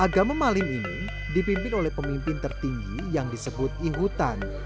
agama maling ini dipimpin oleh pemimpin tertinggi yang disebut ihutan